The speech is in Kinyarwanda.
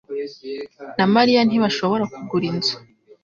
na Mariya ntibashobora kugura inzu.